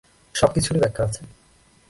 সবকিছুরই ব্যাখ্যা আছে।